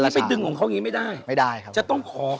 ชื่องนี้ชื่องนี้ชื่องนี้ชื่องนี้ชื่องนี้ชื่องนี้